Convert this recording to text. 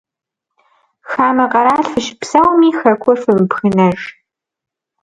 Хамэ къэрал фыщыпсэуми, хэкур фымыбгынэж.